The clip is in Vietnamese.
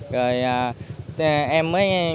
rồi em mới